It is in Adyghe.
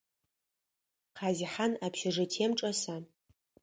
Къазихъан общежитием чӏэса?